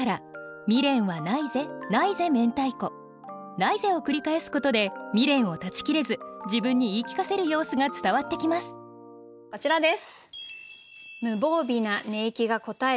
「ないぜ」を繰り返すことで未練を断ち切れず自分に言い聞かせる様子が伝わってきますこちらです。